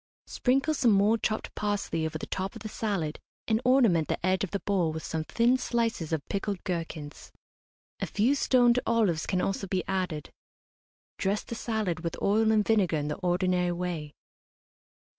Sprinkle some more chopped parsley over the top of the salad and ornament the edge of the bowl with some thin slices of pickled gherkins. A few stoned olives can also be added. Dress the salad with oil and vinegar in the ordinary way.